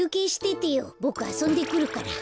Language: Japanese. ボクあそんでくるから。